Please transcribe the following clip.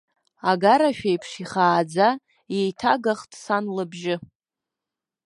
Агарашәа аиԥш ихааӡа иеиҭагахт сан лыбжьы.